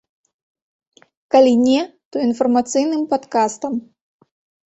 Калі не, то інфармацыйным падкастам.